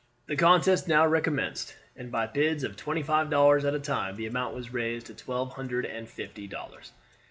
The contest now recommenced, and by bids of twenty five dollars at a time the amount was raised to twelve hundred and fifty dollars.